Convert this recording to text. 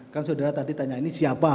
kan saudara tadi tanya ini siapa